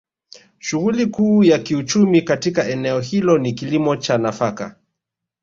Shughuli Kuu ya kiuchumi katika eneo hilo ni kilimo cha nafaka